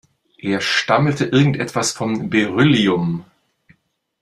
Er stammelte irgendwas von Beryllium.